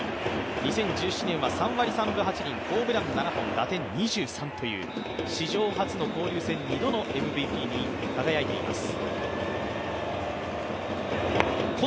２０１７年は３割３分８厘ホームラン７本、打点２３という史上初の交流戦２度のＭＶＰに輝いています。